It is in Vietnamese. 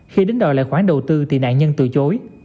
khi đến đòi lại khoản đầu tư thì nạn nhân từ chối